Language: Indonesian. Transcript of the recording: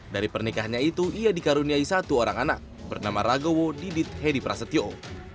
dari pernikahannya itu ia dikaruniai satu orang anak bernama ragowo didit hedi prasetyo